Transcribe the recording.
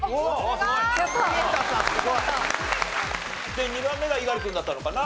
で２番目が猪狩君だったのかな。